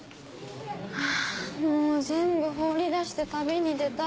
ハァもう全部放り出して旅に出たい。